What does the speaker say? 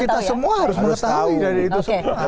kita semua harus mengetahui dari itu semua